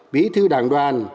bí thư đảng đoàn